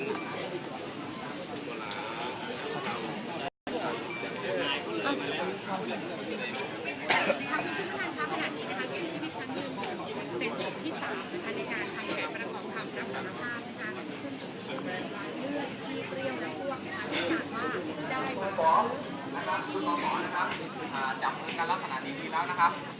ในการทำแขกประกอบความรักษณะภาพนะคะ